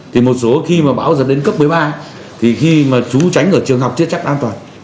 thì một số khi mà bão giật đến cấp một mươi ba thì khi mà chú tránh ở trường học chưa chắc an toàn